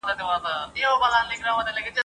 لکه توپان په مخه کړې مرغۍ !.